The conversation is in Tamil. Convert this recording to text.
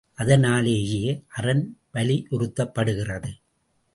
அதனாலேயே அறன் வலியுறுத்தப்படுகிறது.